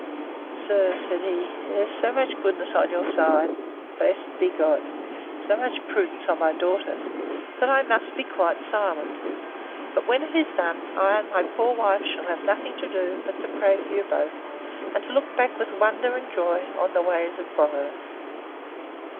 Sir, said he, there is so much goodness on your side, and, blessed be God! so much prudence on my daughter's, that I must be quite silent. But when it is done, I and my poor wife shall have nothing to do, but to pray for you both, and to look back, with wonder and joy, on the ways of Providence.